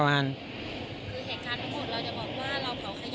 เราก็ยังบอกว่าเราเผาขยะ